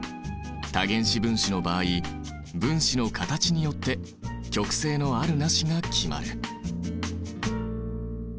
多原子分子の場合分子の形によって極性のあるなしが決まる。